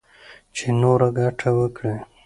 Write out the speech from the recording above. چـې نـوره ګـټـه وكړي.